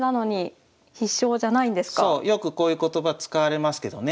よくこういう言葉使われますけどね